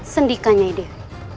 sendikah nyai dek